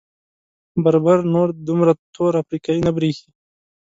بربر نور دومره تور افریقايي نه برېښي.